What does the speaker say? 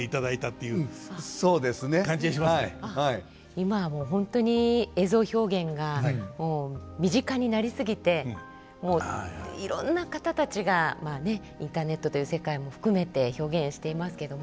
今はもう本当に映像表現がもう身近になり過ぎてもういろんな方たちがまあねインターネットという世界も含めて表現していますけども。